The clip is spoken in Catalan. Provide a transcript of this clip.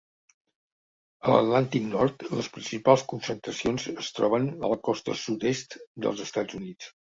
A l'Atlàntic nord, les principals concentracions es troben a la costa sud-est dels Estats Units.